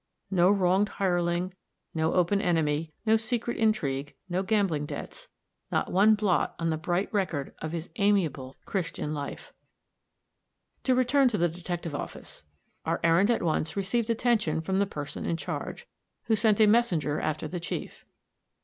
No wronged hireling, no open enemy, no secret intrigue, no gambling debts not one blot on the bright record of his amiable, Christian life. To return to the detective office. Our errand at once received attention from the person in charge, who sent a messenger after the chief.